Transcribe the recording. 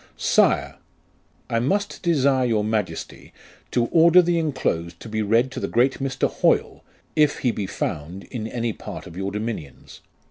" SIRE, I must desire your majesty to order the enclosed to be read to the great Mr. Hoyle, if he be found in any part of your dominions.